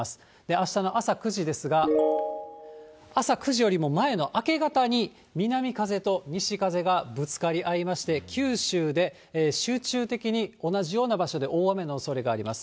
あしたの朝９時ですが、朝９時よりも前の明け方に、南風と西風がぶつかり合いまして、九州で集中的に同じような場所で大雨のおそれがあります。